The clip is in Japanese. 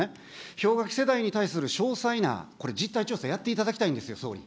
氷河期世代に対する詳細なこれ、実態調査、やっていただきたいんですよ、総理。